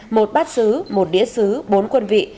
một bát xứ một đĩa xứ bốn quân vị